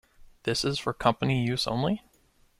This is for company use only.